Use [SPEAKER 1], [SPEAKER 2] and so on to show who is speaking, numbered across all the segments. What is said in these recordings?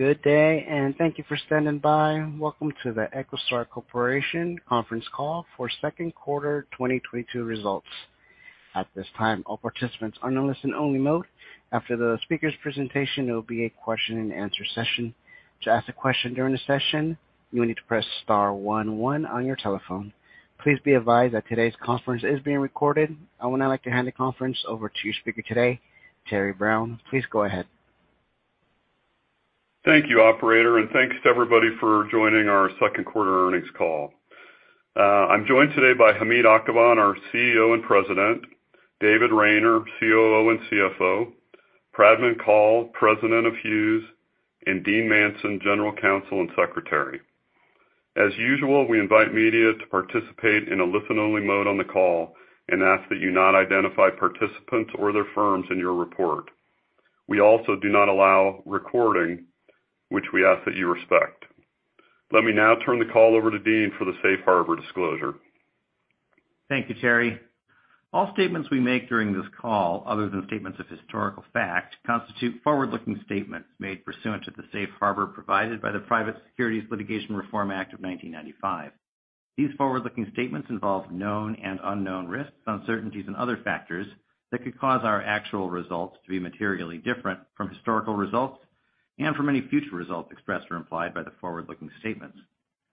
[SPEAKER 1] Good day, and thank you for standing by. Welcome to the EchoStar Corporation conference call for second quarter 2022 results. At this time, all participants are in listen only mode. After the speaker's presentation, there will be a question and answer session. To ask a question during the session, you will need to press star one one on your telephone. Please be advised that today's conference is being recorded. I would now like to hand the conference over to your speaker today, Terry Brown. Please go ahead.
[SPEAKER 2] Thank you Operator, and thanks to everybody for joining our second quarter earnings call. I'm joined today by Hamid Akhavan, our CEO and President, David Rayner, COO and CFO, Pradman Kaul, President of Hughes, and Dean Manson, General Counsel and Secretary. As usual, we invite media to participate in a listen-only mode on the call and ask that you not identify participants or their firms in your report. We also do not allow recording, which we ask that you respect. Let me now turn the call over to Dean for the Safe Harbor disclosure.
[SPEAKER 3] Thank you Terry. All statements we make during this call, other than statements of historical fact, constitute forward-looking statements made pursuant to the Safe Harbor provided by the Private Securities Litigation Reform Act of 1995. These forward-looking statements involve known and unknown risks, uncertainties, and other factors that could cause our actual results to be materially different from historical results and from any future results expressed or implied by the forward-looking statements.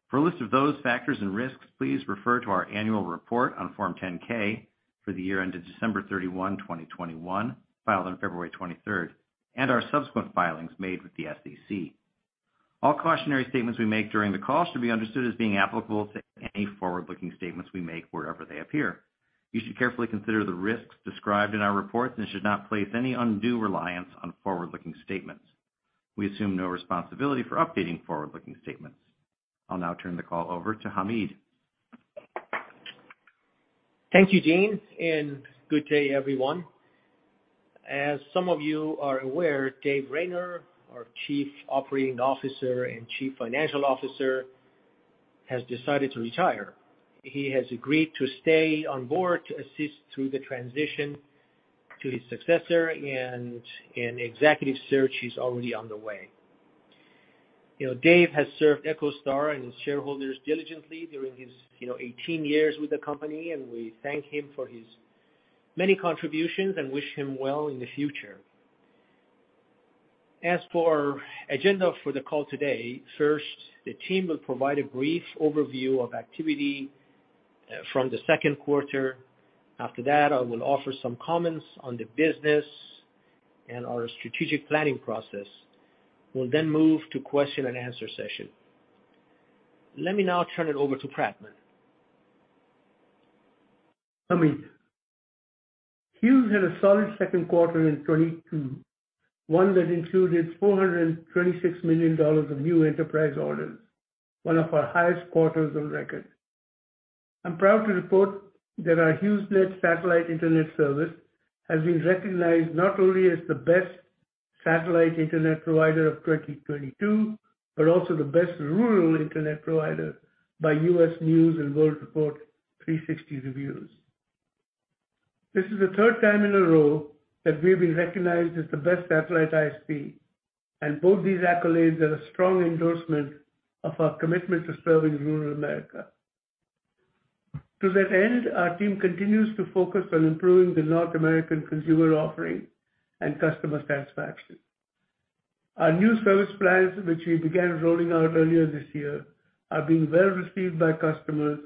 [SPEAKER 3] For a list of those factors and risks, please refer to our annual report on Form 10-K for the year ended December 31, 2021, filed on February 23, and our subsequent filings made with the SEC. All cautionary statements we make during the call should be understood as being applicable to any forward-looking statements we make wherever they appear. You should carefully consider the risks described in our reports and should not place any undue reliance on forward-looking statements. We assume no responsibility for updating forward-looking statements. I'll now turn the call over to Hamid.
[SPEAKER 4] Thank you Dean, and good day, everyone. As some of you are aware, David Rayner, our Chief Operating Officer and Chief Financial Officer, has decided to retire. He has agreed to stay on board to assist through the transition to his successor, and an executive search is already on the way. You know, Dave has served EchoStar and shareholders diligently during his, you know, 18 years with the company, and we thank him for his many contributions and wish him well in the future. As for agenda for the call today, first, the team will provide a brief overview of activity from the second quarter. After that, I will offer some comments on the business and our strategic planning process. We'll then move to question and answer session. Let me now turn it over to Pradman.
[SPEAKER 5] Hamid. Hughes had a solid second quarter in 2022, one that included $426 million of new enterprise orders, one of our highest quarters on record. I'm proud to report that our HughesNet satellite internet service has been recognized not only as the best satellite internet provider of 2022, but also the best rural internet provider by U.S. News & World Report 360 Reviews. This is the third time in a row that we've been recognized as the best satellite ISP, and both these accolades are a strong endorsement of our commitment to serving rural America. To that end, our team continues to focus on improving the North American consumer offering and customer satisfaction. Our new service plans, which we began rolling out earlier this year, are being well received by customers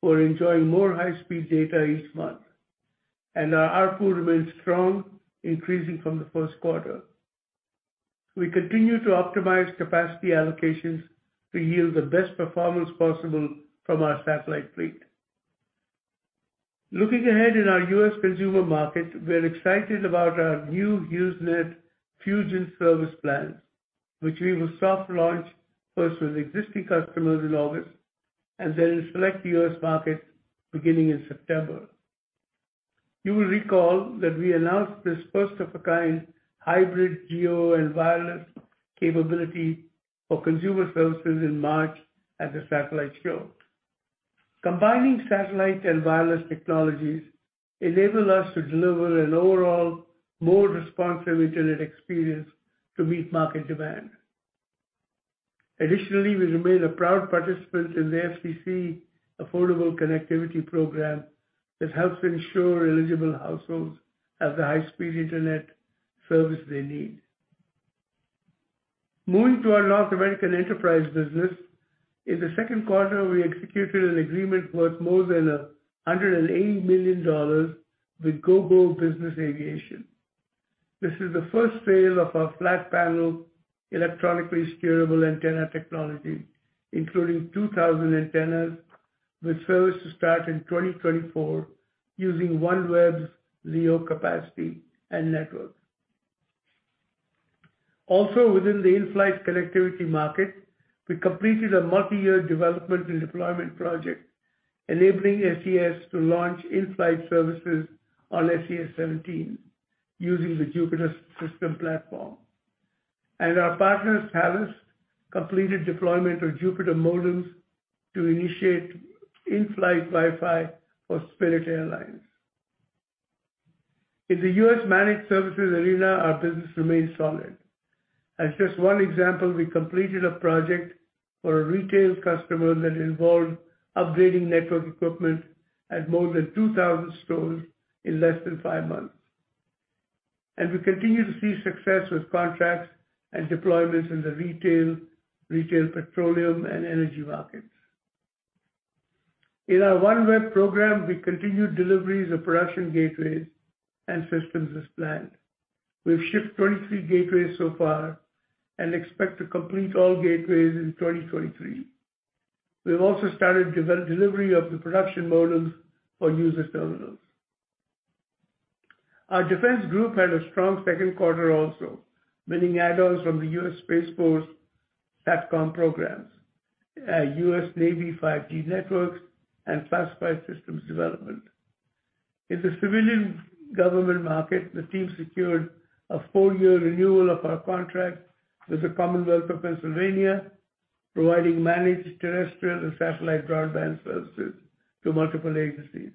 [SPEAKER 5] who are enjoying more high-speed data each month. Our ARPU remains strong, increasing from the first quarter. We continue to optimize capacity allocations to yield the best performance possible from our satellite fleet. Looking ahead in our U.S. consumer market, we're excited about our new HughesNet Fusion service plans, which we will soft launch first with existing customers in August and then in select U.S. markets beginning in September. You will recall that we announced this first of a kind hybrid GEO and wireless capability for consumer services in March at the Satellite Show. Combining satellite and wireless technologies enable us to deliver an overall more responsive internet experience to meet market demand. Additionally, we remain a proud participant in the FCC Affordable Connectivity Program that helps ensure eligible households have the high-speed internet service they need. Moving to our North American enterprise business. In the second quarter, we executed an agreement worth more than $180 million with Gogo Business Aviation. This is the first sale of our flat panel electronically steerable antenna technology, including 2,000 antennas, with service to start in 2024 using OneWeb's LEO capacity and network. Also within the in-flight connectivity market, we completed a multi-year development and deployment project enabling SES to launch in-flight services on SES-17 using the JUPITER System platform. Our partner, Thales, completed deployment of JUPITER modems to initiate in-flight Wi-Fi for Spirit Airlines. In the U.S. managed services arena, our business remains solid. As just one example, we completed a project for a retail customer that involved upgrading network equipment at more than 2,000 stores in less than five months. We continue to see success with contracts and deployments in the retail petroleum, and energy markets. In our OneWeb program, we continued deliveries of production gateways and systems as planned. We've shipped 23 gateways so far and expect to complete all gateways in 2023. We have also started delivery of the production models for user terminals. Our defense group had a strong second quarter also, winning add-ons from the U.S. Space Force SATCOM programs, U.S. Navy 5G networks, and classified systems development. In the civilian government market, the team secured a four-year renewal of our contract with the Commonwealth of Pennsylvania, providing managed terrestrial and satellite broadband services to multiple agencies.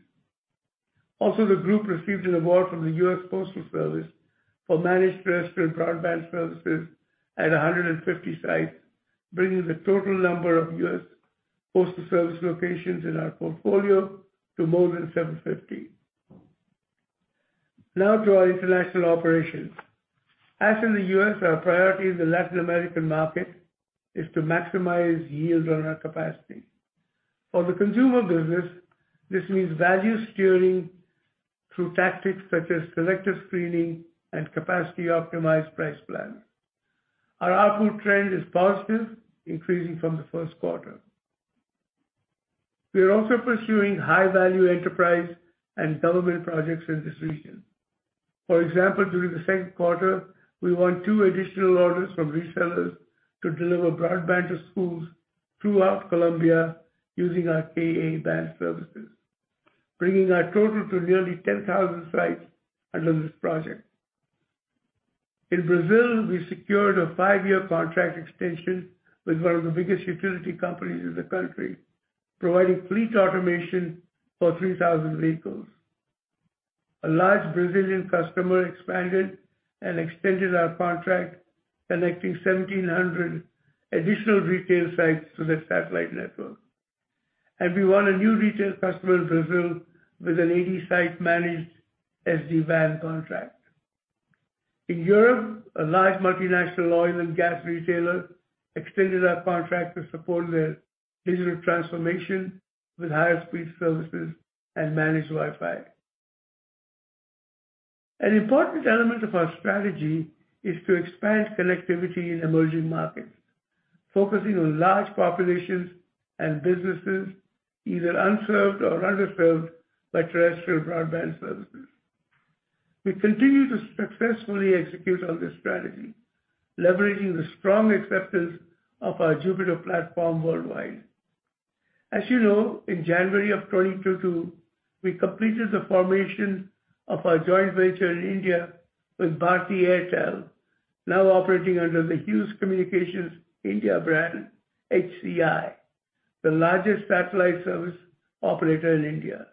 [SPEAKER 5] Also, the group received an award from the U.S. Postal Service for managed terrestrial broadband services at 150 sites, bringing the total number of U.S. Postal Service locations in our portfolio to more than 750. Now to our international operations. As in the US, our priority in the Latin American market is to maximize yield on our capacity. For the consumer business, this means value steering through tactics such as selective screening and capacity-optimized price plans. Our ARPU trend is positive, increasing from the first quarter. We are also pursuing high-value enterprise and government projects in this region. For example, during the second quarter, we won two additional orders from resellers to deliver broadband to schools throughout Colombia using our Ka-band services, bringing our total to nearly 10,000 sites under this project. In Brazil, we secured a five-year contract extension with one of the biggest utility companies in the country, providing fleet automation for 3,000 vehicles. A large Brazilian customer expanded and extended our contract, connecting 1,700 additional retail sites to their satellite network. We won a new retail customer in Brazil with an 80-site managed SD-WAN contract. In Europe, a large multinational oil and gas retailer extended our contract to support their digital transformation with higher-speed services and managed Wi-Fi. An important element of our strategy is to expand connectivity in emerging markets, focusing on large populations and businesses either unserved or underserved by terrestrial broadband services. We continue to successfully execute on this strategy, leveraging the strong acceptance of our JUPITER platform worldwide. As you know, in January 2022, we completed the formation of our joint venture in India with Bharti Airtel, now operating under the Hughes Communications India brand, HCI, the largest satellite service operator in India.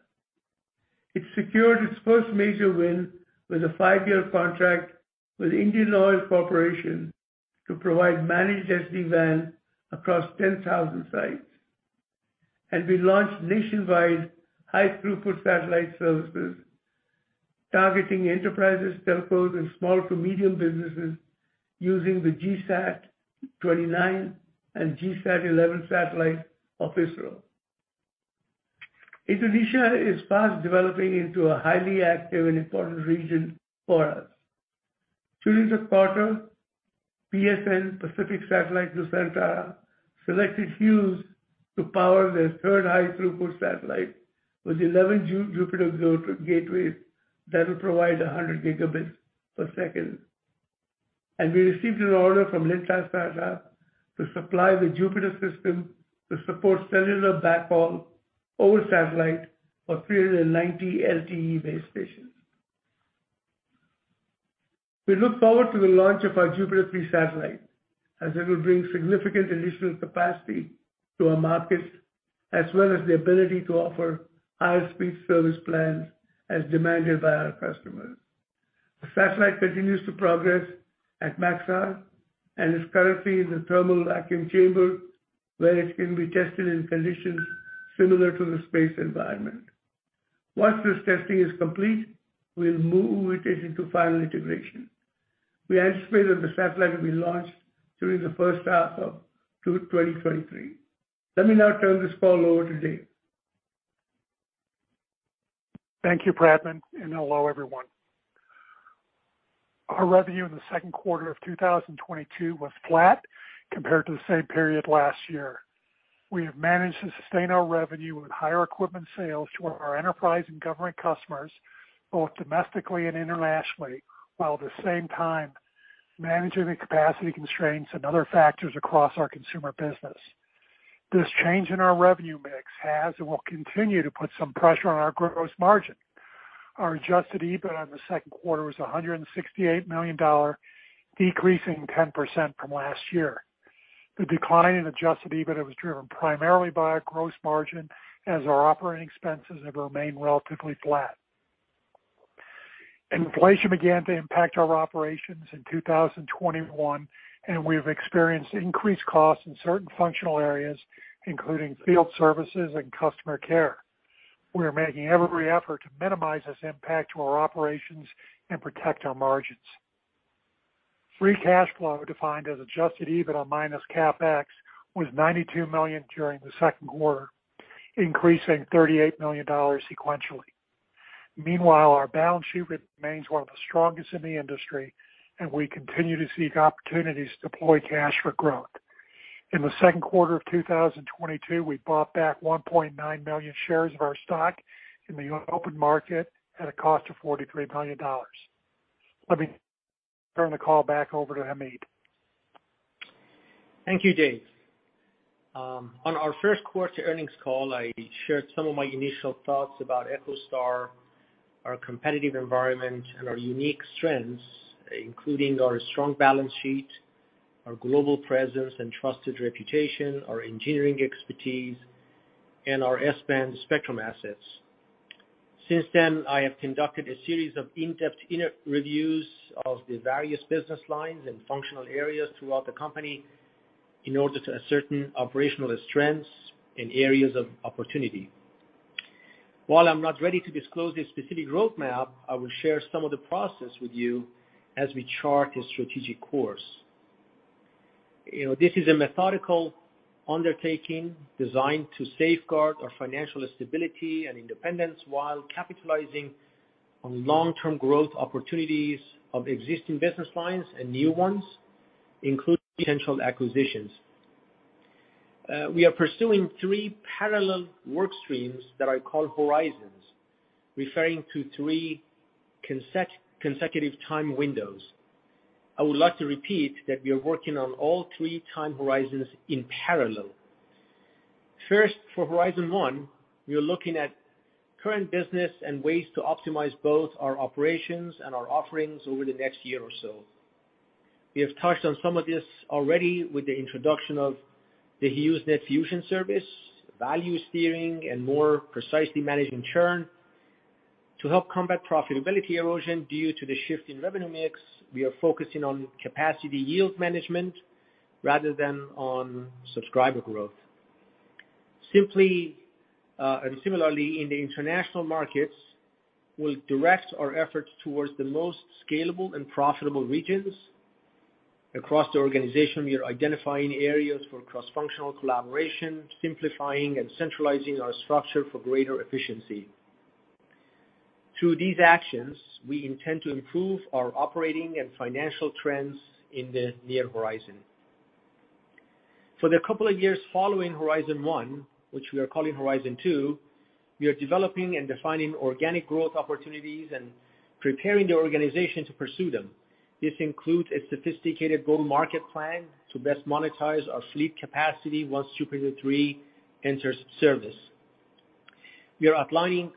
[SPEAKER 5] It secured its first major win with a five-year contract with Indian Oil Corporation to provide managed SD-WAN across 10,000 sites. We launched nationwide high-throughput satellite services targeting enterprises, telcos, and small to medium businesses using the GSAT-29 and GSAT-11 satellites of ISRO. Indonesia is fast developing into a highly active and important region for us. During the quarter, PSN, PT Pasifik Satelit Nusantara, selected Hughes to power their third high-throughput satellite with 11 JUPITER Gateways that will provide 100 gigabits per second. We received an order from Lintasarta to supply the JUPITER System to support cellular backhaul over satellite for 390 LTE base stations. We look forward to the launch of our JUPITER 3 satellite, as it will bring significant additional capacity to our markets, as well as the ability to offer higher speed service plans as demanded by our customers. The satellite continues to progress at Maxar and is currently in the thermal vacuum chamber where it can be tested in conditions similar to the space environment. Once this testing is complete, we'll move it into final integration. We anticipate that the satellite will be launched during the first half of 2023. Let me now turn this call over to Dave.
[SPEAKER 6] Thank you Pradman, and hello everyone. Our revenue in the second quarter of 2022 was flat compared to the same period last year. We have managed to sustain our revenue with higher equipment sales to our enterprise and government customers, both domestically and internationally, while at the same time managing the capacity constraints and other factors across our consumer business. This change in our revenue mix has and will continue to put some pressure on our gross margin. Our Adjusted EBITDA on the second quarter was $168 million, decreasing 10% from last year. The decline in Adjusted EBITDA was driven primarily by our gross margin as our operating expenses have remained relatively flat. Inflation began to impact our operations in 2021, and we have experienced increased costs in certain functional areas, including field services and customer care. We are making every effort to minimize this impact to our operations and protect our margins. Free cash flow, defined as adjusted EBITDA minus CapEx, was $92 million during the second quarter, increasing $38 million sequentially. Meanwhile, our balance sheet remains one of the strongest in the industry, and we continue to seek opportunities to deploy cash for growth. In the second quarter of 2022, we bought back 1.9 million shares of our stock in the open market at a cost of $43 million. Let me turn the call back over to Hamid.
[SPEAKER 4] Thank you Dave. On our first quarter earnings call, I shared some of my initial thoughts about EchoStar, our competitive environment, and our unique strengths, including our strong balance sheet, our global presence and trusted reputation, our engineering expertise, and our S-band spectrum assets. Since then, I have conducted a series of in-depth internal reviews of the various business lines and functional areas throughout the company in order to ascertain operational strengths and areas of opportunity. While I'm not ready to disclose a specific roadmap, I will share some of the process with you as we chart a strategic course. You know, this is a methodical undertaking designed to safeguard our financial stability and independence while capitalizing on long-term growth opportunities of existing business lines and new ones, including potential acquisitions. We are pursuing three parallel work streams that I call horizons, referring to three consecutive time windows. I would like to repeat that we are working on all three time horizons in parallel. First, for horizon one, we are looking at current business and ways to optimize both our operations and our offerings over the next year or so. We have touched on some of this already with the introduction of the HughesNet Fusion service, value steering, and more precisely, management churn. To help combat profitability erosion due to the shift in revenue mix, we are focusing on capacity yield management rather than on subscriber growth. Simply, and similarly, in the international markets, we'll direct our efforts towards the most scalable and profitable regions. Across the organization, we are identifying areas for cross-functional collaboration, simplifying and centralizing our structure for greater efficiency. Through these actions, we intend to improve our operating and financial trends in the near horizon. For the couple of years following horizon one, which we are calling horizon two, we are developing and defining organic growth opportunities and preparing the organization to pursue them. This includes a sophisticated go-to-market plan to best monetize our fleet capacity once Supernova Three enters service. We are outlining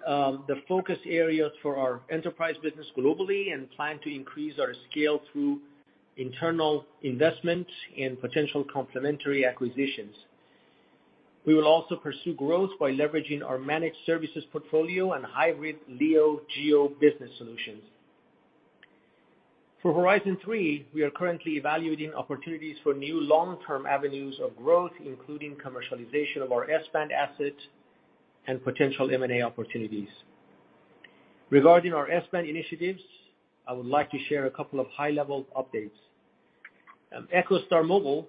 [SPEAKER 4] the focus areas for our enterprise business globally and plan to increase our scale through internal investment and potential complementary acquisitions. We will also pursue growth by leveraging our managed services portfolio and hybrid LEO geo business solutions. For horizon three, we are currently evaluating opportunities for new long-term avenues of growth, including commercialization of our S-band assets and potential M&A opportunities. Regarding our S-band initiatives, I would like to share a couple of high-level updates. EchoStar Mobile,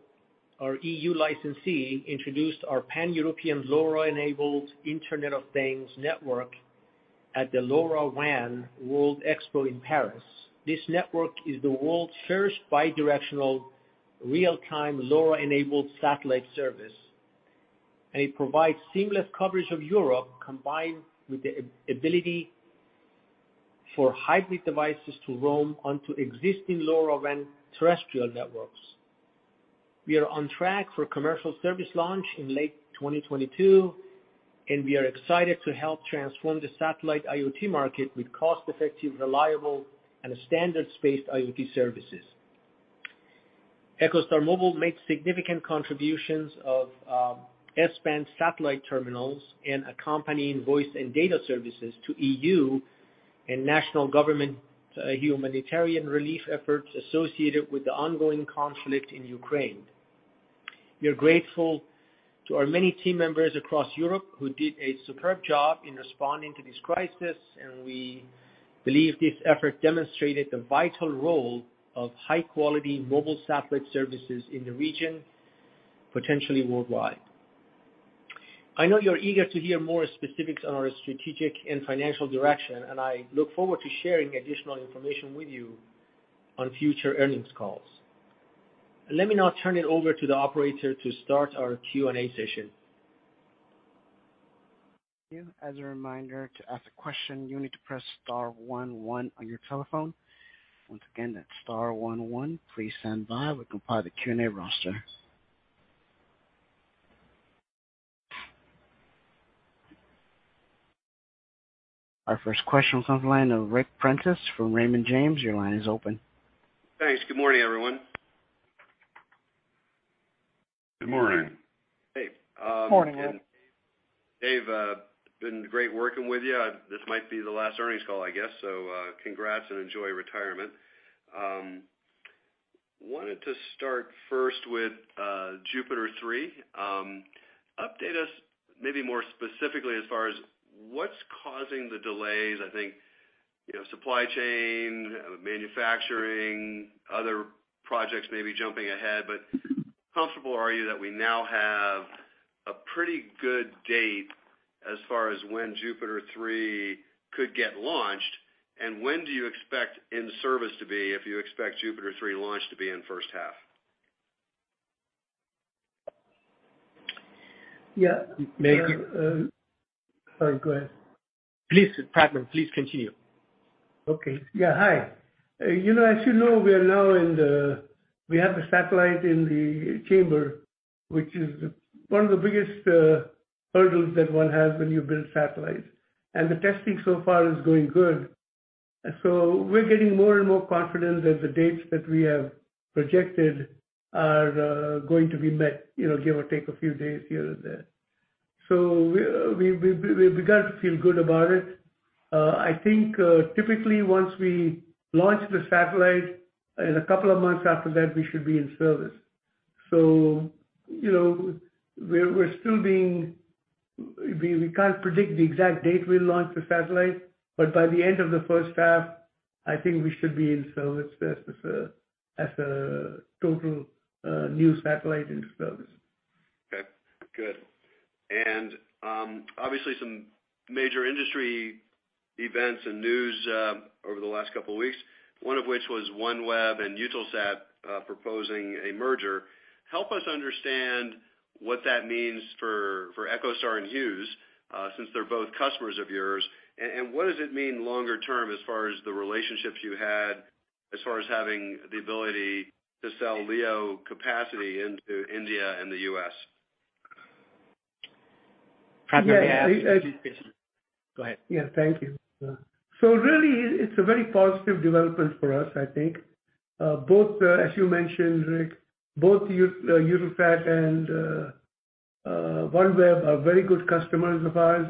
[SPEAKER 4] our EU licensee, introduced our Pan-European LoRa-enabled Internet of Things network at the LoRaWAN World Expo in Paris. This network is the world's first bi-directional real-time LoRa-enabled satellite service. It provides seamless coverage of Europe, combined with the ability for hybrid devices to roam onto existing LoRaWAN terrestrial networks. We are on track for a commercial service launch in late 2022, and we are excited to help transform the satellite IoT market with cost-effective, reliable, and standards-based IoT services. EchoStar Mobile made significant contributions of S-band satellite terminals and accompanying voice and data services to EU and national government humanitarian relief efforts associated with the ongoing conflict in Ukraine. We are grateful to our many team members across Europe who did a superb job in responding to this crisis, and we believe this effort demonstrated the vital role of high-quality mobile satellite services in the region, potentially worldwide. I know you're eager to hear more specifics on our strategic and financial direction, and I look forward to sharing additional information with you on future earnings calls. Let me now turn it over to the Operator to start our Q&A session.
[SPEAKER 1] As a reminder to ask a question you need to press star one one on your telephone. Once again, that's star one one. Please stand by while we compile the Q&A roster. Our first question comes from the line of Ric Prentiss from Raymond James. Your line is open.
[SPEAKER 7] Thanks. Good morning everyone.
[SPEAKER 4] Good morning.
[SPEAKER 7] Hey.
[SPEAKER 5] Morning Ric.
[SPEAKER 7] Dave Rayner been great working with you. This might be the last earnings call, I guess, so, congrats and enjoy retirement. Wanted to start first with JUPITER 3. Update us maybe more specifically as far as what's causing the delays. I think, you know, supply chain, manufacturing, other projects may be jumping ahead, but how comfortable are you that we now have a pretty good date as far as when JUPITER 3 could get launched? When do you expect in-service to be if you expect JUPITER 3 launch to be in first half?
[SPEAKER 5] Yeah.
[SPEAKER 4] May-
[SPEAKER 5] Sorry go ahead.
[SPEAKER 4] Please, Pradman, please continue.
[SPEAKER 5] Okay. Yeah. Hi. You know, as you know, we have a satellite in the chamber, which is one of the biggest hurdles that one has when you build satellites. The testing so far is going good. We're getting more and more confident that the dates that we have projected are going to be met, you know, give or take a few days here and there. We begin to feel good about it. I think typically once we launch the satellite, in a couple of months after that, we should be in service. You know, we're still being. We can't predict the exact date we'll launch the satellite, but by the end of the first half, I think we should be in service as a total new satellite in service.
[SPEAKER 7] Okay good. Obviously some major industry events and news over the last couple of weeks, one of which was OneWeb and Eutelsat proposing a merger. Help us understand what that means for EchoStar and Hughes, since they're both customers of yours. What does it mean longer term as far as the relationships you had, as far as having the ability to sell LEO capacity into India and the U.S.?
[SPEAKER 4] Pradman may I ask a few questions. Go ahead.
[SPEAKER 5] Yeah. Thank you. Really, it's a very positive development for us, I think. Both, as you mentioned, Rick, both Eutelsat and OneWeb are very good customers of ours,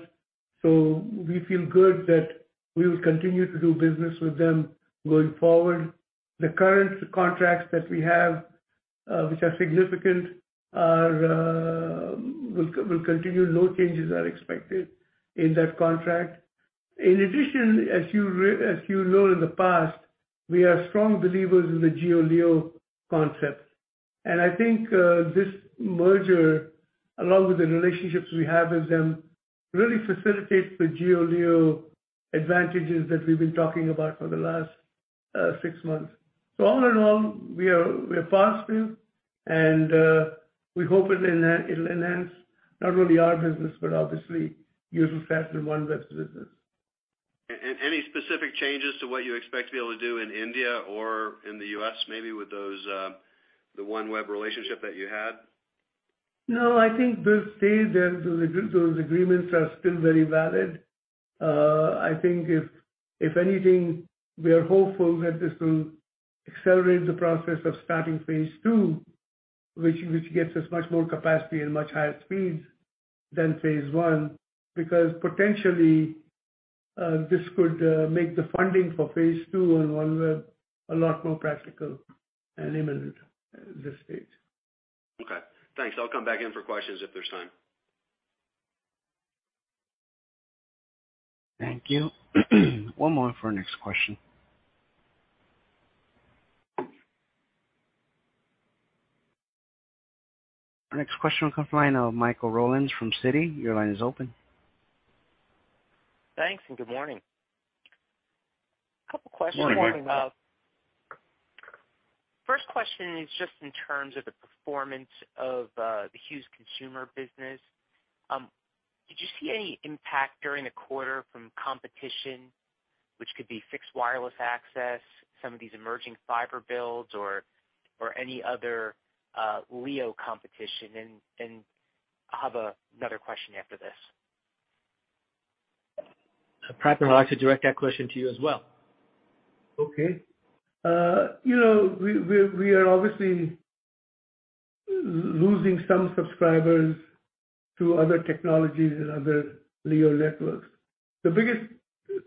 [SPEAKER 5] so we feel good that we will continue to do business with them going forward. The current contracts that we have, which are significant, will continue. No changes are expected in that contract. In addition, as you know, in the past, we are strong believers in the GEO LEO concept. I think this merger, along with the relationships we have with them, really facilitates the GEO LEO advantages that we've been talking about for the last six months. All in all, we are positive, and we hope it'll enhance not only our business but obviously Eutelsat and OneWeb's business.
[SPEAKER 7] Any specific changes to what you expect to be able to do in India or in the U.S., maybe with those, the OneWeb relationship that you had?
[SPEAKER 5] No I think this stage and those agreements are still very valid. I think if anything, we are hopeful that this will accelerate the process of starting phase two, which gets us much more capacity and much higher speeds than phase one, because potentially, this could make the funding for phase two and OneWeb a lot more practical and imminent at this stage.
[SPEAKER 7] Okay. Thanks. I'll come back in for questions if there's time.
[SPEAKER 1] Thank you. One more for our next question. Our next question comes from the line of Michael Rollins from Citi. Your line is open.
[SPEAKER 8] Thanks, and good morning. Couple questions.
[SPEAKER 4] Morning.
[SPEAKER 8] First question is just in terms of the performance of the Hughes consumer business. Did you see any impact during the quarter from competition, which could be fixed wireless access, some of these emerging fiber builds or any other LEO competition? I have another question after this.
[SPEAKER 4] Pradman, I'd like to direct that question to you as well.
[SPEAKER 5] Okay. You know, we are obviously losing some subscribers to other technologies and other LEO networks. The biggest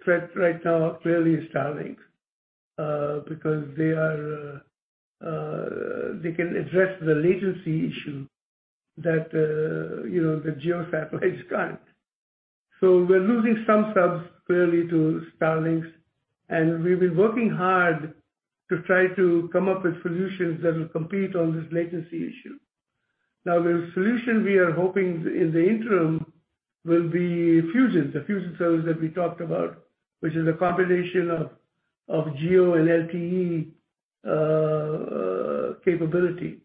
[SPEAKER 5] threat right now clearly is Starlink, because they can address the latency issue that the GEO satellites can't. We're losing some subs clearly to Starlink, and we've been working hard to try to come up with solutions that will compete on this latency issue. Now, the solution we are hoping in the interim will be Fusion, the Fusion service that we talked about, which is a combination of GEO and LTE capability,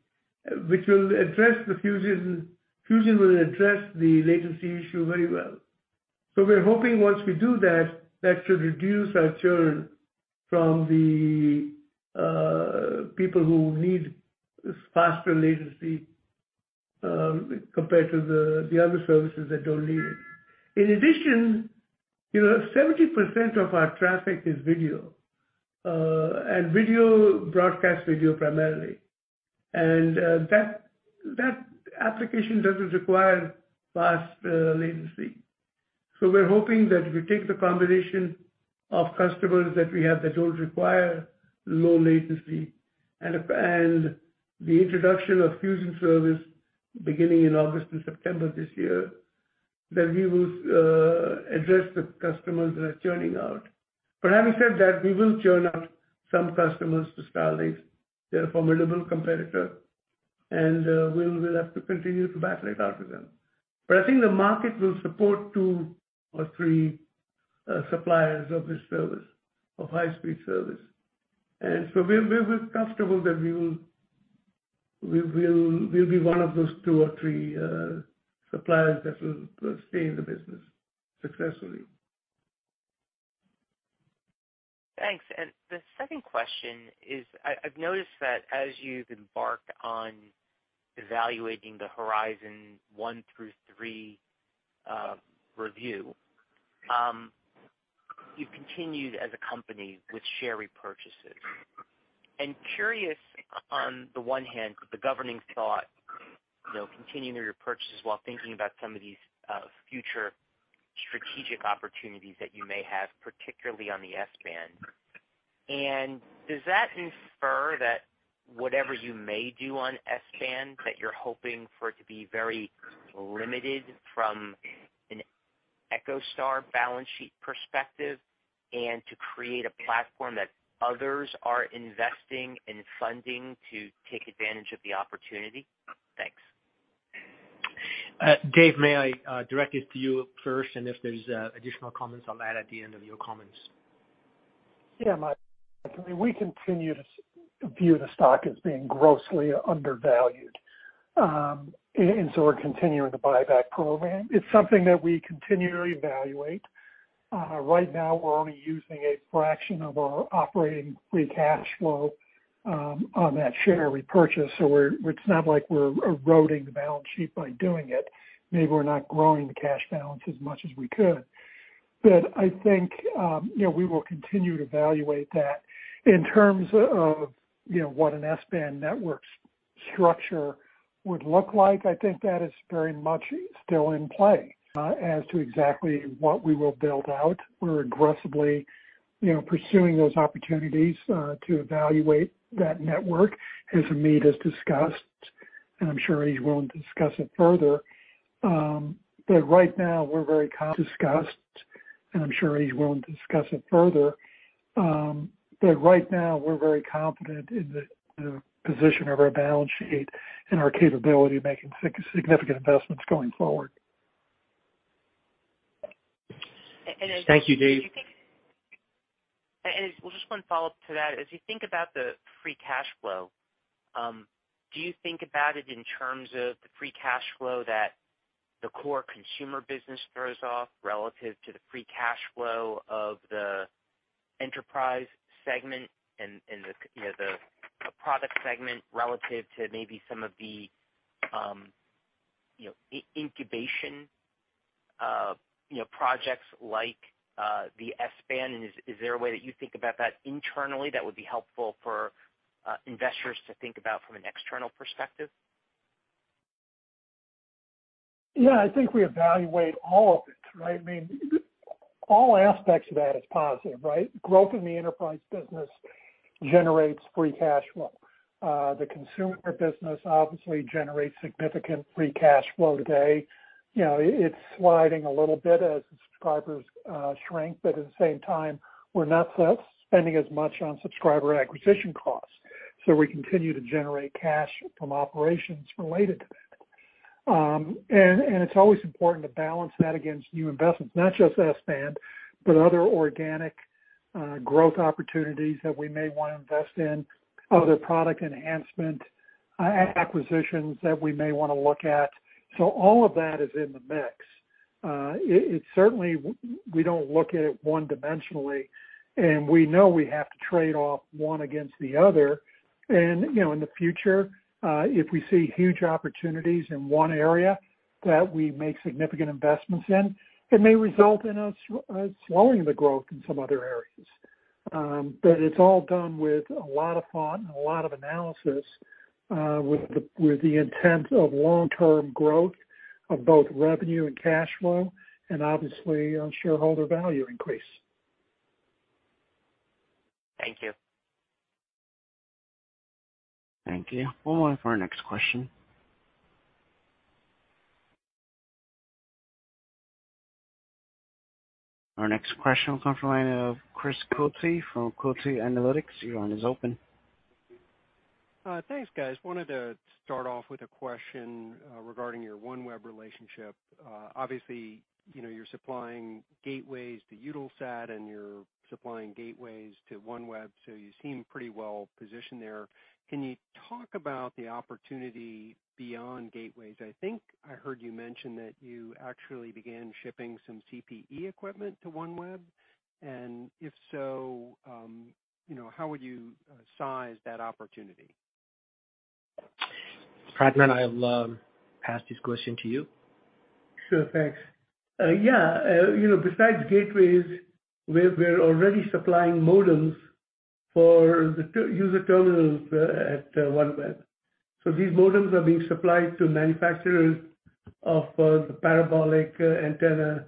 [SPEAKER 5] which will address the Fusion. Fusion will address the latency issue very well. We're hoping once we do that should reduce our churn from the people who need faster latency, compared to the other services that don't need it. In addition, you know 70% of our traffic is video, and broadcast video primarily. That application doesn't require fast latency. We're hoping that if we take the combination of customers that we have that don't require low latency and the introduction of fusion service beginning in August and September this year, that we will address the customers that are churning out. Having said that, we will churn out some customers to Starlink. They're a formidable competitor, and we'll have to continue to battle it out with them. I think the market will support two or three suppliers of this service, of high-speed service. We're comfortable that we'll be one of those two or three suppliers that will stay in the business successfully.
[SPEAKER 8] Thanks. The second question is I've noticed that as you've embarked on evaluating the Horizon 1 through three review, you've continued as a company with share repurchases. I'm curious on the one hand, the governing thought, you know, continuing your purchases while thinking about some of these future strategic opportunities that you may have, particularly on the S-band. Does that infer that whatever you may do on S-band, that you're hoping for it to be very limited from an EchoStar balance sheet perspective and to create a platform that others are investing and funding to take advantage of the opportunity? Thanks.
[SPEAKER 5] David may I direct it to you first, and if there's additional comments, I'll add at the end of your comments.
[SPEAKER 6] Yeah Mike. I mean we continue to see the stock as being grossly undervalued. So we're continuing the buyback program. It's something that we continually evaluate. Right now we're only using a fraction of our operating free cash flow on that share repurchase. It's not like we're eroding the balance sheet by doing it. Maybe we're not growing the cash balance as much as we could. But I think you know, we will continue to evaluate that. In terms of you know, what an S-band network structure would look like, I think that is very much still in play as to exactly what we will build out. We're aggressively pursuing those opportunities to evaluate that network, as Hamid Akhavan has discussed, and I'm sure he's willing to discuss it further. Right now we're very confident in the position of our balance sheet and our capability of making significant investments going forward.
[SPEAKER 8] And as-
[SPEAKER 5] Thank you Dave.
[SPEAKER 8] Just one follow-up to that. As you think about the free cash flow, do you think about it in terms of the free cash flow that the core consumer business throws off relative to the free cash flow of the enterprise segment and the, you know, product segment relative to maybe some of the, you know, incubation, you know, projects like the S-band? Is there a way that you think about that internally that would be helpful for investors to think about from an external perspective?
[SPEAKER 6] Yeah. I think we evaluate all of it, right? I mean, all aspects of that is positive, right? Growth in the enterprise business generates free cash flow. The consumer business obviously generates significant free cash flow today. You know, it's sliding a little bit as the subscribers shrink, but at the same time, we're not spending as much on subscriber acquisition costs. We continue to generate cash from operations related to that. And it's always important to balance that against new investments, not just S-band, but other organic growth opportunities that we may wanna invest in, other product enhancement acquisitions that we may wanna look at. All of that is in the mix. It certainly. We don't look at it one-dimensionally, and we know we have to trade off one against the other. You know in the future, if we see huge opportunities in one area that we make significant investments in, it may result in us slowing the growth in some other areas. It's all done with a lot of thought and a lot of analysis, with the intent of long-term growth of both revenue and cash flow and obviously, shareholder value increase.
[SPEAKER 8] Thank you.
[SPEAKER 1] Thank you. We'll move on for our next question. Our next question will come from the line of Chris Quilty from Quilty Analytics. Your line is open.
[SPEAKER 9] Thanks guys. Wanted to start off with a question regarding your OneWeb relationship. Obviously, you know, you're supplying gateways to Eutelsat and you're supplying gateways to OneWeb, so you seem pretty well positioned there. Can you talk about the opportunity beyond gateways? I think I heard you mention that you actually began shipping some CPE equipment to OneWeb, and if so, you know, how would you size that opportunity?
[SPEAKER 4] Pradman I'll pass this question to you.
[SPEAKER 5] Sure. Thanks. Yeah. You know, besides gateways, we're already supplying modems for the user terminals at OneWeb. These modems are being supplied to manufacturers of the parabolic antenna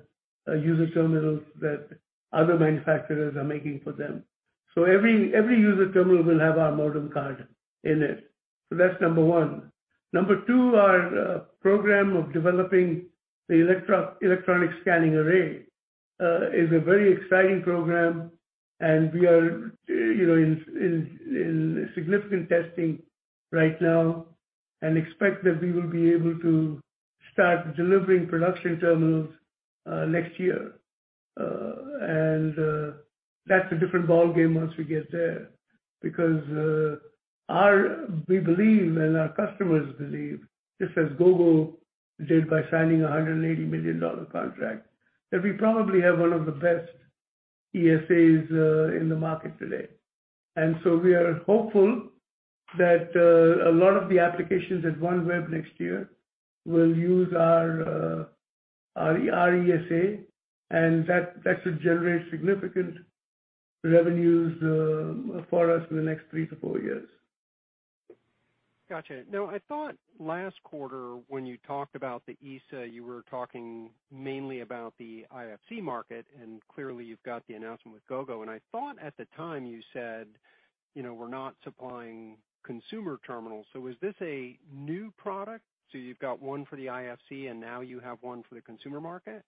[SPEAKER 5] user terminals that other manufacturers are making for them. Every user terminal will have our modem card in it. That's number one. Number two, our program of developing the electronic scanning array is a very exciting program, and we are you know in significant testing right now and expect that we will be able to start delivering production terminals next year. That's a different ballgame once we get there because we believe and our customers believe, just as Gogo did by signing a $180 million contract, that we probably have one of the best ESAs in the market today. We are hopeful that a lot of the applications at OneWeb next year will use our E-ESA, and that should generate significant revenues for us in the next three to four years.
[SPEAKER 9] Gotcha. Now I thought last quarter when you talked about the ESA, you were talking mainly about the IFC market, and clearly you've got the announcement with Gogo. I thought at the time you said, you know, we're not supplying consumer terminals. Is this a new product? You've got one for the IFC and now you have one for the consumer market?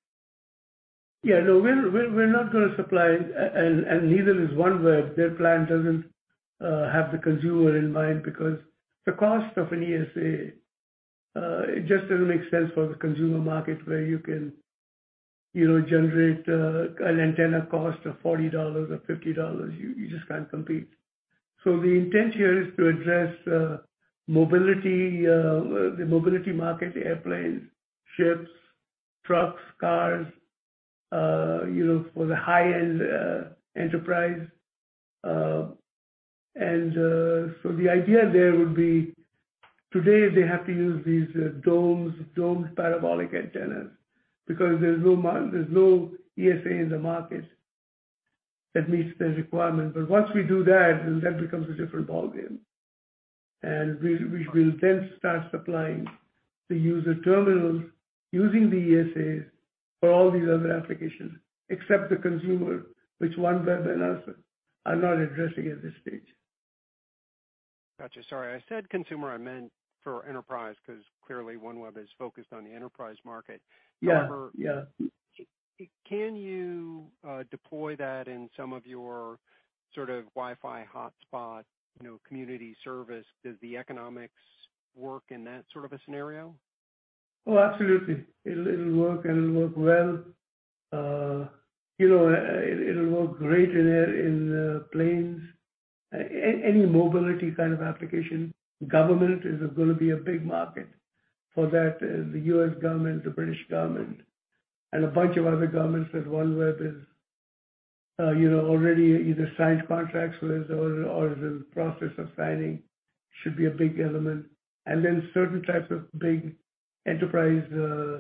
[SPEAKER 5] Yeah. No we're not gonna supply, and neither is OneWeb. Their plan doesn't have the consumer in mind because the cost of an ESA, it just doesn't make sense for the consumer market where you can, you know, generate an antenna cost of $40 or $50. You just can't compete. The intent here is to address mobility, the mobility market, airplanes, ships, trucks, cars, you know, for the high-end enterprise. The idea there would be today they have to use these domes, domed parabolic antennas because there's no ESA in the market that meets their requirement. Once we do that, then that becomes a different ballgame. We will then start supplying the user terminals using the ESAs for all these other applications except the consumer, which OneWeb and us are not addressing at this stage.
[SPEAKER 9] Gotcha. Sorry, I said consumer, I meant for enterprise, 'cause clearly OneWeb is focused on the enterprise market.
[SPEAKER 5] Yeah. Yeah.
[SPEAKER 9] However can you deploy that in some of your sort of Wi-Fi hotspot, you know, community service? Does the economics work in that sort of a scenario?
[SPEAKER 5] Oh absolutely. It'll work, and it'll work well. You know, it'll work great in air, in planes, any mobility kind of application. Government is gonna be a big market for that. The U.S. government, the British government, and a bunch of other governments that OneWeb is, you know, already either signed contracts with or in the process of signing should be a big element. Then certain types of big enterprise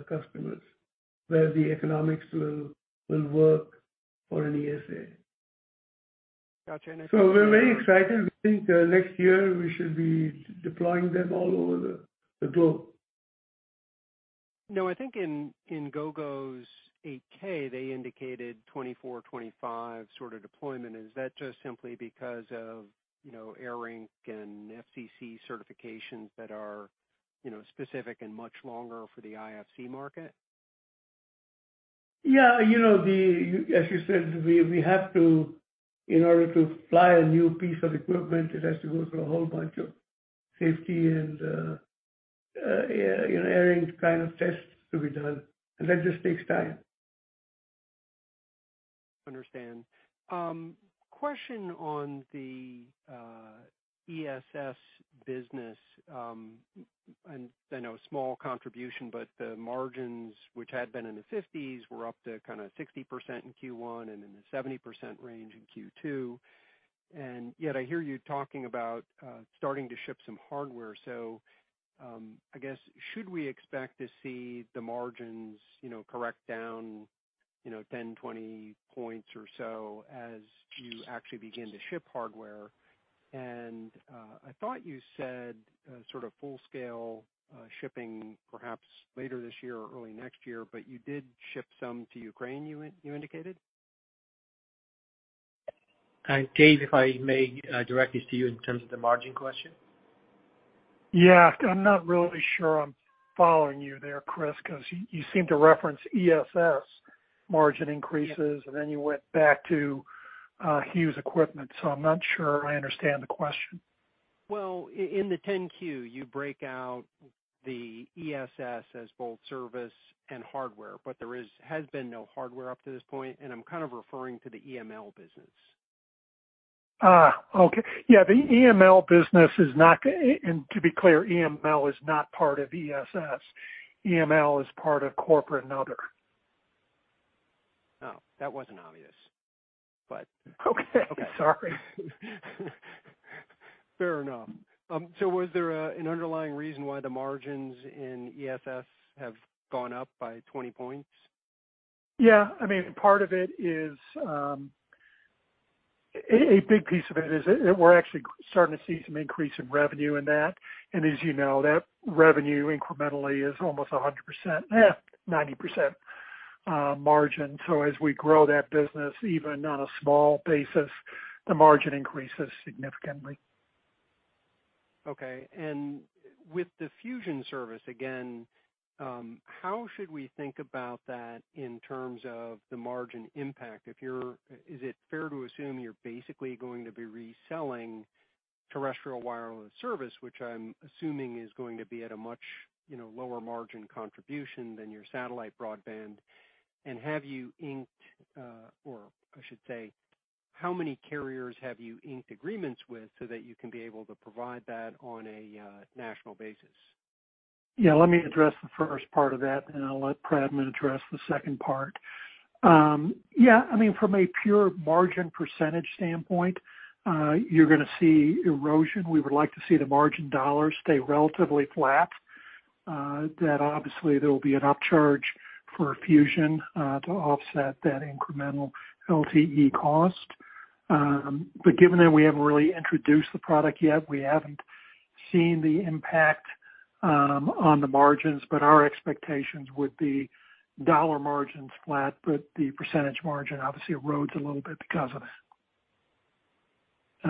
[SPEAKER 5] customers where the economics will work for an ESA.
[SPEAKER 9] Gotcha.
[SPEAKER 5] We're very excited. We think, next year we should be deploying them all over the globe.
[SPEAKER 9] Now I think in Gogo's 8-K, they indicated 24-25 sort of deployment. Is that just simply because of, you know, airline and FCC certifications that are, you know, specific and much longer for the IFC market?
[SPEAKER 5] Yeah. You know, as you said, we have to, in order to fly a new piece of equipment, it has to go through a whole bunch of safety and airworthiness kind of tests to be done, and that just takes time.
[SPEAKER 9] Understood. Question on the ESS business. I know a small contribution, but the margins, which had been in the 50s, were up to kinda 60% in Q1 and in the 70% range in Q2. Yet I hear you talking about starting to ship some hardware. I guess should we expect to see the margins, you know, correct down, you know, 10, 20 points or so as you actually begin to ship hardware? I thought you said a sort of full-scale shipping perhaps later this year or early next year, but you did ship some to Ukraine, you indicated? Dave, if I may, direct this to you in terms of the margin question.
[SPEAKER 6] Yeah. I'm not really sure I'm following you there Chris, 'cause you seem to reference ESS margin increases, and then you went back to Hughes equipment. I'm not sure I understand the question.
[SPEAKER 9] Well in the 10-Q, you break out the ESS as both service and hardware, but there has been no hardware up to this point, and I'm kind of referring to the EML business.
[SPEAKER 6] Okay. Yeah the EML business. To be clear, EML is not part of ESS. EML is part of corporate and other.
[SPEAKER 9] That wasn't obvious but.
[SPEAKER 6] Okay. Sorry.
[SPEAKER 9] Fair enough. Was there an underlying reason why the margins in ESS have gone up by 20%?
[SPEAKER 6] I mean part of it is a big piece of it is we're actually starting to see some increase in revenue in that. As you know, that revenue incrementally is almost 100%, 90% margin. As we grow that business, even on a small basis, the margin increases significantly.
[SPEAKER 9] Okay. With the Fusion service, again, how should we think about that in terms of the margin impact? Is it fair to assume you're basically going to be reselling terrestrial wireless service, which I'm assuming is going to be at a much, you know, lower margin contribution than your satellite broadband? Have you inked, or I should say, how many carriers have you inked agreements with so that you can be able to provide that on a national basis?
[SPEAKER 6] Yeah let me address the first part of that, and then I'll let Pradman address the second part. Yeah, I mean, from a pure margin percentage standpoint, you're gonna see erosion. We would like to see the margin dollars stay relatively flat. That obviously there will be an upcharge for Fusion, to offset that incremental LTE cost. Given that we haven't really introduced the product yet, we haven't seen the impact, on the margins, but our expectations would be dollar margins flat, but the percentage margin obviously erodes a little bit because of that.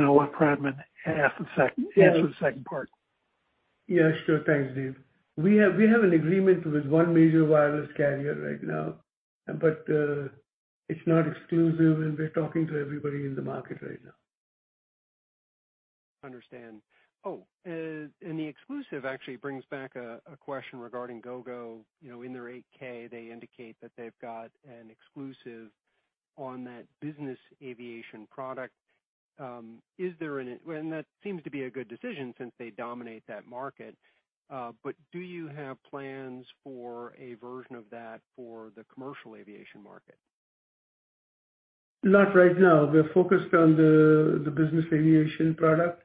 [SPEAKER 6] I'll let Pradman ask the sec-
[SPEAKER 9] Yeah.
[SPEAKER 6] Answer the second part.
[SPEAKER 5] Yeah sure. Thanks, David. We have an agreement with one major wireless carrier right now, but it's not exclusive, and we're talking to everybody in the market right now.
[SPEAKER 9] Understand. The exclusive actually brings back a question regarding Gogo. You know, in their 8-K, they indicate that they've got an exclusive on that business aviation product. That seems to be a good decision since they dominate that market. Do you have plans for a version of that for the commercial aviation market?
[SPEAKER 5] Not right now. We're focused on the business aviation product.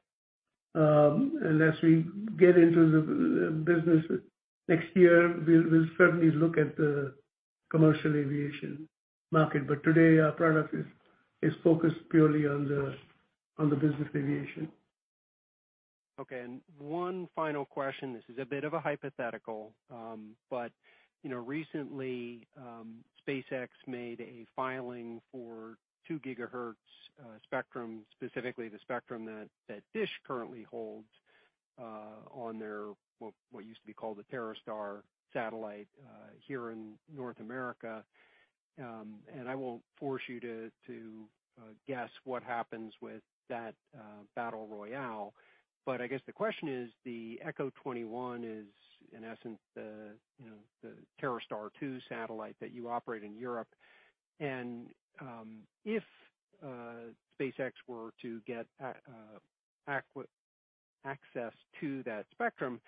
[SPEAKER 5] Unless we get into the business next year, we'll certainly look at the commercial aviation market, but today our product is focused purely on the business aviation.
[SPEAKER 9] Okay. One final question. This is a bit of a hypothetical, but, you know, recently, SpaceX made a filing for 2 GHz spectrum, specifically the spectrum that DISH currently holds, on their what used to be called the TerreStar satellite, here in North America. I won't force you to guess what happens with that battle royale. I guess the question is, the EchoStar XXI is, in essence, the, you know, the TerreStar 2 satellite that you operate in Europe. If SpaceX were to get access to that spectrum,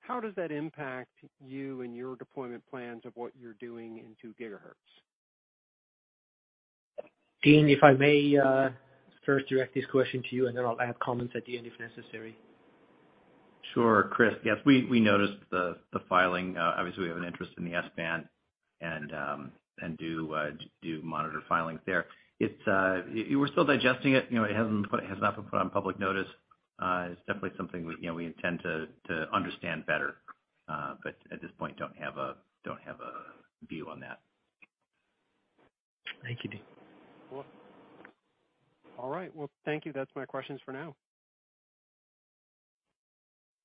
[SPEAKER 9] how does that impact you and your deployment plans of what you're doing in 2 GHz?
[SPEAKER 4] Dean if I may first direct this question to you, and then I'll add comments at the end if necessary.
[SPEAKER 3] Sure. Chris yes we noticed the filing. Obviously, we have an interest in the S-band and do monitor filings there. We're still digesting it. You know, it has not been put on public notice. It's definitely something we, you know, we intend to understand better, but at this point, don't have a view on that.
[SPEAKER 4] Thank you Dean.
[SPEAKER 9] Cool. All right. Well, thank you. That's my questions for now.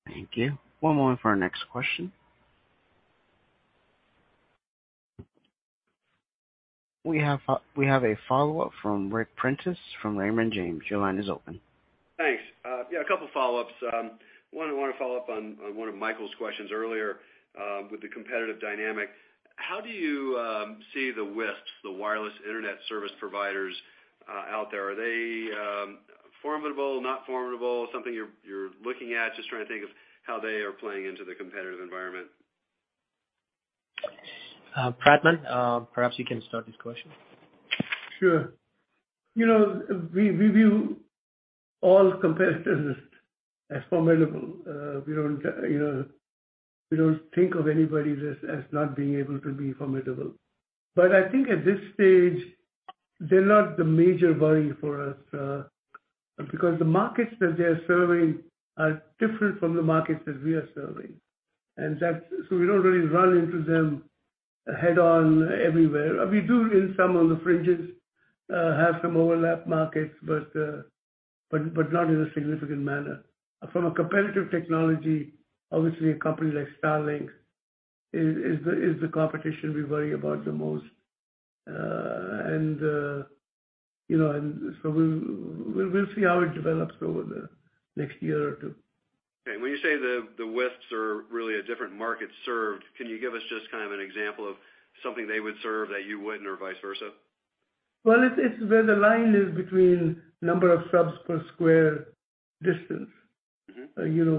[SPEAKER 1] Thank you. One moment for our next question. We have a follow-up from Ric Prentiss from Raymond James. Your line is open.
[SPEAKER 7] Thanks. Yeah a couple follow-ups. One, I wanna follow up on one of Michael's questions earlier, with the competitive dynamic. How do you see the WISP, the wireless internet service providers, out there? Are they formidable, not formidable, something you're looking at? Just trying to think of how they are playing into the competitive environment.
[SPEAKER 4] Pradman perhaps you can start this question.
[SPEAKER 5] Sure. You know, we view all competitors as formidable. We don't think of anybody as not being able to be formidable. I think at this stage, they're not the major worry for us, because the markets that they're serving are different from the markets that we are serving. We don't really run into them head-on everywhere. We do in some of the fringes have some overlap markets, but not in a significant manner. From a competitive technology, obviously a company like Starlink is the competition we worry about the most. You know, we'll see how it develops over the next year or two.
[SPEAKER 7] Okay. When you say the WISP are really a different market served, can you give us just kind of an example of something they would serve that you wouldn't or vice versa?
[SPEAKER 5] Well it's where the line is between number of subs per square distance. You know,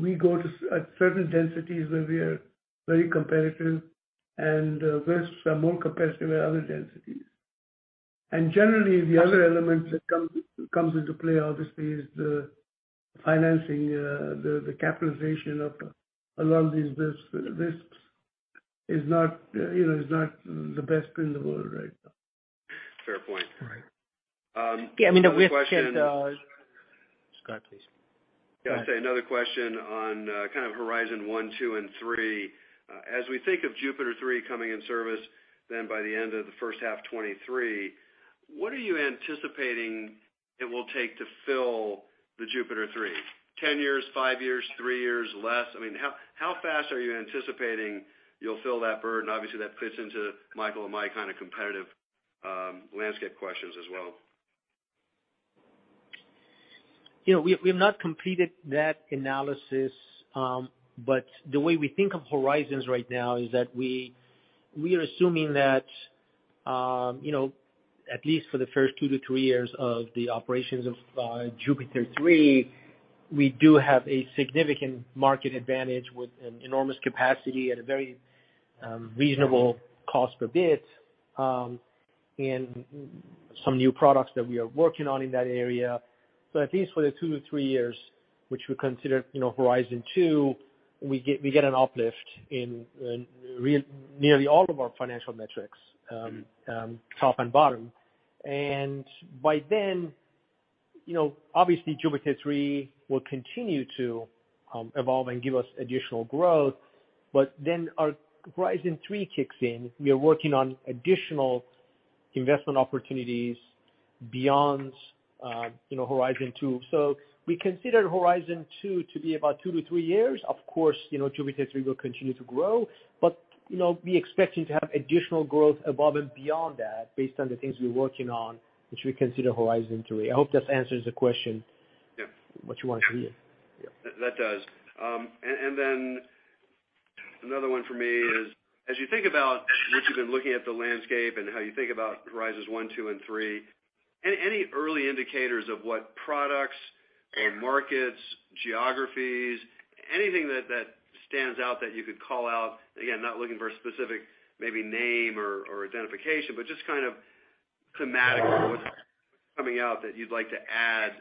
[SPEAKER 5] we go toe-to-toe at certain densities where we are very competitive and rivals are more competitive at other densities. Generally, the other element that comes into play obviously is the financing, the capitalization of a lot of these businesses is not, you know, is not the best in the world right now.
[SPEAKER 7] Fair point.
[SPEAKER 5] Right.
[SPEAKER 7] Another question.
[SPEAKER 5] Yeah I mean the risk is,
[SPEAKER 7] Scott please.
[SPEAKER 4] Yeah.
[SPEAKER 7] Another question on kind of Horizon 1, 2, and 3. As we think of JUPITER 3 coming in service then by the end of the first half 2023, what are you anticipating it will take to fill the JUPITER 3? 10 years, five years, three years, less? I mean, how fast are you anticipating you'll fill that bird? Obviously that fits into Michael and my kind of competitive landscape questions as well.
[SPEAKER 4] You know we've not completed that analysis but the way we think of Horizons right now is that we are assuming that, you know, at least for the first two to three years of the operations of JUPITER 3, we do have a significant market advantage with an enormous capacity at a very reasonable cost per bit, and some new products that we are working on in that area. At least for the two to three years, which we consider, you know, Horizon 2o, we get an uplift in nearly all of our financial metrics, top and bottom. By then, you know, obviously JUPITER 3 will continue to evolve and give us additional growth. Then our Horizon 3 kicks in. We are working on additional investment opportunities beyond, you know, Horizon 2. We consider Horizon 2 to be about two to three years. Of course, you know, JUPITER 3 will continue to grow, but, you know, we're expecting to have additional growth above and beyond that based on the things we're working on, which we consider Horizon 3. I hope that answers the question.
[SPEAKER 7] Yeah
[SPEAKER 4] What you wanted to hear. Yeah.
[SPEAKER 7] That does. Another one for me is, as you think about what you've been looking at the landscape and how you think about Horizons 1, 2, and 3, any early indicators of what products or markets, geographies, anything that stands out that you could call out? Again, not looking for a specific maybe name or identification, but just kind of thematically what's coming out that you'd like to add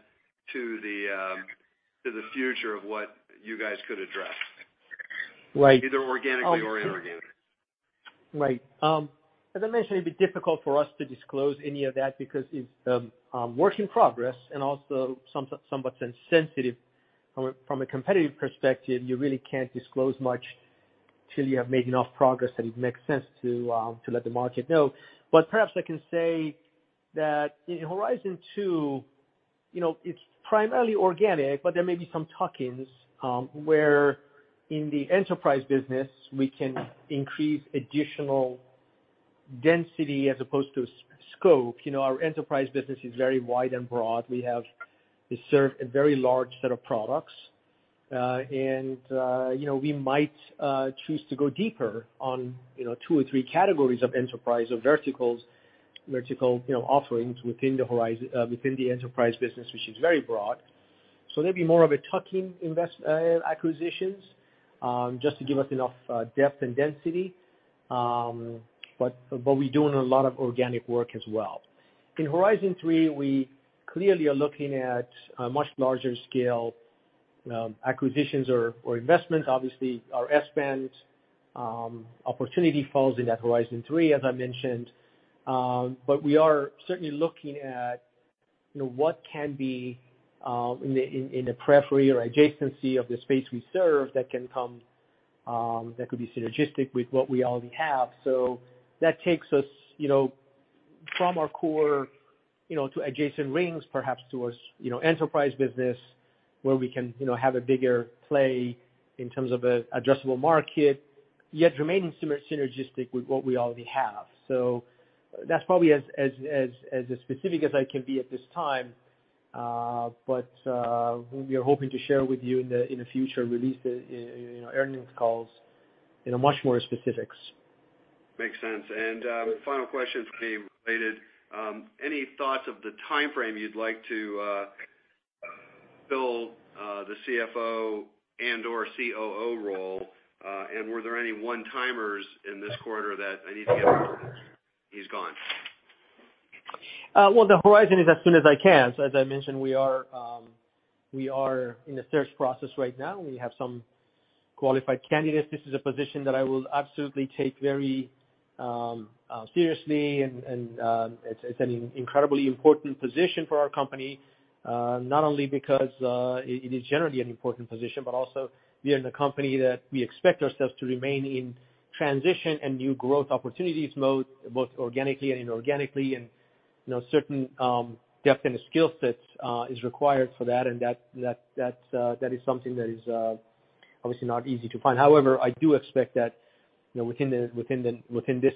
[SPEAKER 7] to the future of what you guys could address?
[SPEAKER 4] Like-
[SPEAKER 7] Either organically or inorganically.
[SPEAKER 4] Right. As I mentioned, it'd be difficult for us to disclose any of that because it's work in progress and also somewhat sensitive from a competitive perspective. You really can't disclose much till you have made enough progress that it makes sense to let the market know. Perhaps I can say that in Horizon 2, you know, it's primarily organic, but there may be some tuck-ins, where in the enterprise business we can increase additional density as opposed to scope. You know, our enterprise business is very wide and broad. We serve a very large set of products. You know, we might choose to go deeper on, you know, two or three categories of enterprise or verticals, you know, offerings within the enterprise business, which is very broad. There'd be more of a tuck-in acquisitions, just to give us enough depth and density. But we're doing a lot of organic work as well. In Horizon 3, we clearly are looking at a much larger scale acquisitions or investments. Obviously, our S-band opportunity falls into that Horizon 3, as I mentioned. But we are certainly looking at, you know, what can be in the periphery or adjacency of the space we serve that could be synergistic with what we already have. That takes us, you know, from our core, you know, to adjacent rings, perhaps to a space, you know, enterprise business where we can, you know, have a bigger play in terms of addressable market, yet remaining synergistic with what we already have. That's probably as specific as I can be at this time. But we are hoping to share with you in a future release, you know, earnings calls in a much more specifics.
[SPEAKER 7] Makes sense. Final question for me related any thoughts of the timeframe you'd like to fill the CFO and/or COO role? Were there any one-timers in this quarter that I need to get. He's gone.
[SPEAKER 4] Well the Horizon is as soon as I can. As I mentioned, we are in the search process right now. We have some qualified candidates. This is a position that I will absolutely take very seriously and it's an incredibly important position for our company, not only because it is generally an important position, but also we are in a company that we expect ourselves to remain in transition and new growth opportunities mode, both organically and inorganically. You know, certain depth and skill sets is required for that, and that is something that is obviously not easy to find. However, I do expect that, you know, within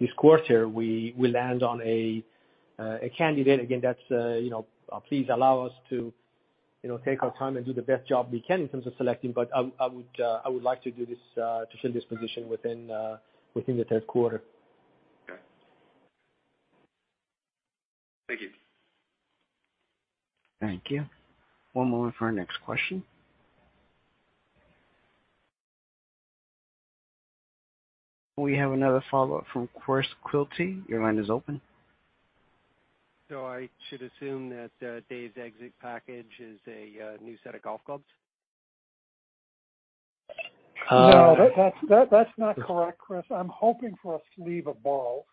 [SPEAKER 4] this quarter, we land on a candidate. Again that's you know. Please allow us to you know take our time and do the best job we can in terms of selecting. I would like to do this to fill this position within the third quarter.
[SPEAKER 2] Thank you.
[SPEAKER 1] Thank you. One moment for our next question. We have another follow-up from Chris Quilty. Your line is open.
[SPEAKER 9] I should assume that Dave's exit package is a new set of golf clubs?
[SPEAKER 1] Uh.
[SPEAKER 6] No that's not correct Chris. I'm hoping for a sleeve of balls.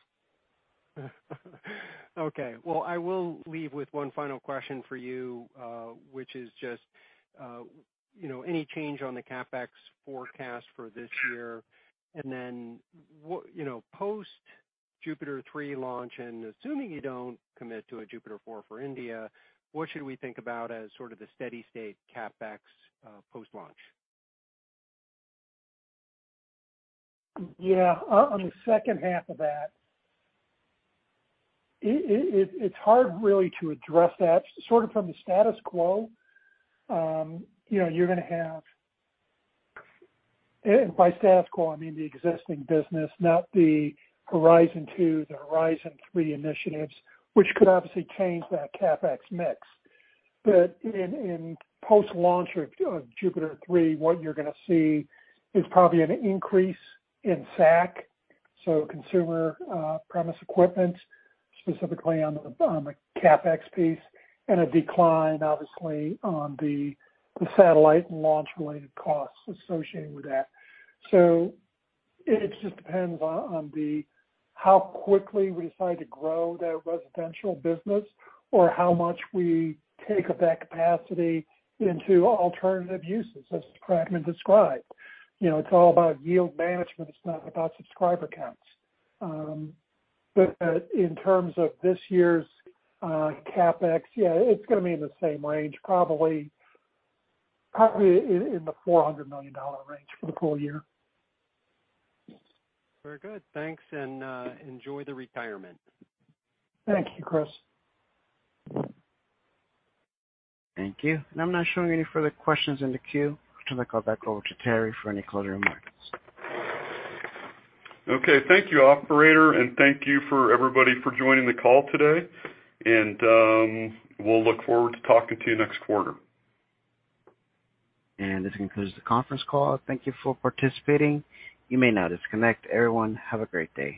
[SPEAKER 9] Okay. Well I will leave with one final question for you, which is just, you know, any change on the CapEx forecast for this year? And then what, you know, post JUPITER 3 launch, and assuming you don't commit to a JUPITER 4 for India, what should we think about as sort of the steady state CapEx, post-launch?
[SPEAKER 6] Yeah. On the second half of that, it's hard really to address that sort of from the status quo. You know, you're gonna have. By status quo, I mean the existing business, not the Horizon 2, the Horizon 3 initiatives, which could obviously change that CapEx mix. In post-launch of Jupiter 3, what you're gonna see is probably an increase in SAC, so consumer premise equipment, specifically on the CapEx piece, and a decline, obviously, on the satellite and launch related costs associated with that. It just depends on how quickly we decide to grow that residential business or how much we take of that capacity into alternative uses, as Pradman described. You know, it's all about yield management. It's not about subscriber counts. In terms of this year's CapEx, yeah, it's gonna be in the same range, probably in the $400 million range for the full year.
[SPEAKER 9] Very good. Thanks, and enjoy the retirement.
[SPEAKER 6] Thank you, Chris.
[SPEAKER 1] Thank you. I'm not showing any further questions in the queue. I'll turn the call back over to Terry for any closing remarks.
[SPEAKER 2] Okay. Thank you, Operator, and thank you for everybody for joining the call today, and we'll look forward to talking to you next quarter.
[SPEAKER 1] This concludes the conference call. Thank you for participating. You may now disconnect. Everyone, have a great day.